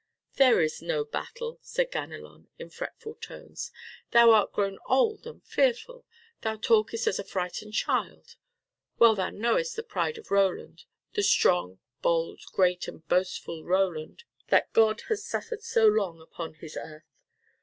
"There is no battle," said Ganelon in fretful tones. "Thou art grown old and fearful. Thou talkest as a frightened child. Well thou knowest the pride of Roland, the strong, bold, great and boastful Roland, that God hath suffered so long upon His earth.